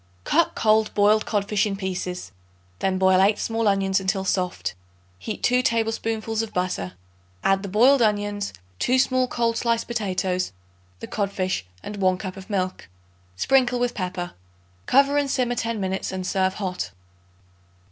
Cut cold boiled codfish in pieces; then boil 8 small onions until soft; heat 2 tablespoonfuls of butter. Add the boiled onions, 2 small cold sliced potatoes, the codfish and 1 cup of milk; sprinkle with pepper. Cover and simmer ten minutes and serve hot.